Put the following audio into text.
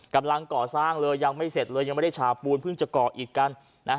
กำลังก่อสร้างเลยยังไม่เสร็จเลยยังไม่ได้ฉาปูนเพิ่งจะก่ออีกกัน